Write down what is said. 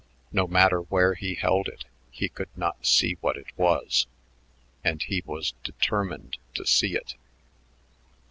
No matter where he held it, he could not see what it was and he was determined to see it.